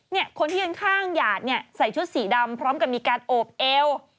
คนที่ยืนข้างหยาดเนี่ยใส่ชุดสีดำพร้อมกับมีการโอบเอว